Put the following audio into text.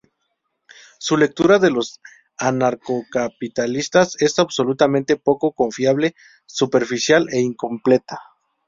Su lectura de los anarcocapitalistas es absolutamente poco confiable, superficial e incompleta".